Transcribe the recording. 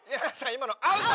今のアウト！